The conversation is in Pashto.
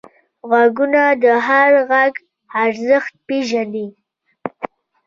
غوږونه د هر غږ ارزښت پېژني